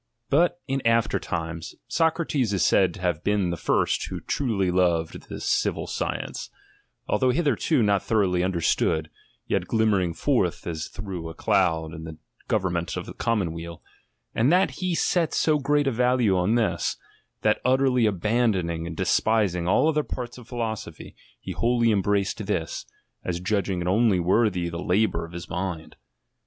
But in after times, Socrates is said to have been the first who truly loved this civil science ; although hitherto not thoroughly understood, yet glimmering forth as through a cloud in the govern ment of the commonweal : and that he set so great a value on this, that utterly abandoning and de spising all other parts of philosophy, he wholly embraced this, as judging it only worthy the labour of his mind.